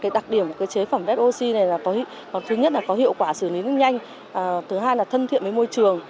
đặc điểm của chế phẩm redoxi ba c có hiệu quả xử lý nước nhanh thân thiện với môi trường